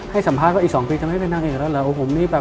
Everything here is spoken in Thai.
ให้สัมภาษณ์ว่าอีก๒ปีจะไม่เป็นนางเอกแล้วเหรอ